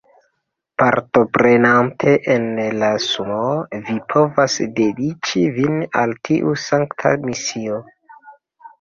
Partoprenante en la Sumoo, vi povas dediĉi vin al tiu sankta misio.